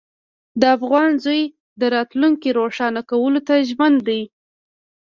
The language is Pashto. د افغان زوی د راتلونکي روښانه کولو ته ژمن دی.